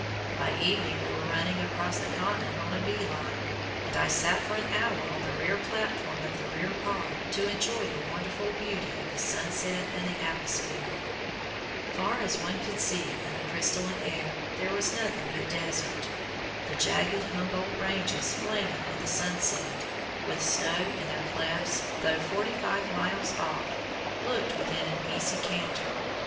By evening we were running across the continent on a bee line, and I sat for an hour on the rear platform of the rear car to enjoy the wonderful beauty of the sunset and the atmosphere. Far as one could see in the crystalline air there was nothing but desert. The jagged Humboldt ranges flaming in the sunset, with snow in their clefts, though forty five miles off, looked within an easy canter.